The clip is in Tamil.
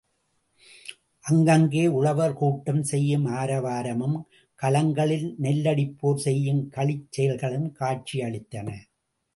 அங்கங்கே உழவர் கூட்டம் செய்யும் ஆரவாரமும், களங்களில் நெல்லடிப்போர் செய்யும் களிச் செயல்களும் காட்சியளித்தன.